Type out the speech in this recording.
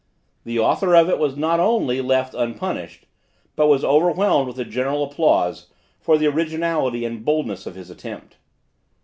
The author of it was not only left unpunished, but was overwhelmed with the general applause, for the originality and boldness of his attempt.